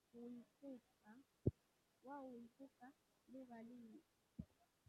wao huikuta lugha ini ama lugha yao yakwanza